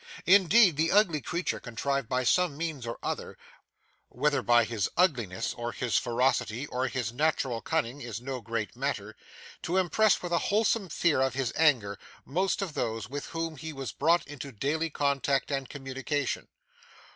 Indeed, the ugly creature contrived by some means or other whether by his ugliness or his ferocity or his natural cunning is no great matter to impress with a wholesome fear of his anger, most of those with whom he was brought into daily contact and communication.